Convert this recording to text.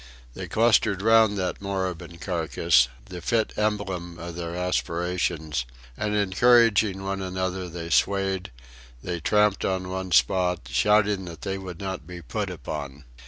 They clustered round that moribund carcass, the fit emblem of their aspirations, and encouraging one another they swayed, they tramped on one spot, shouting that they would not be "put upon."